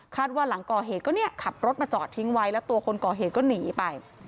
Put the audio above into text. ว่าหลังก่อเหตุก็เนี่ยขับรถมาจอดทิ้งไว้แล้วตัวคนก่อเหตุก็หนีไป